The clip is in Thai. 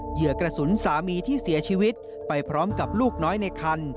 เหยื่อกระสุนสามีที่เสียชีวิตไปพร้อมกับลูกน้อยในคัน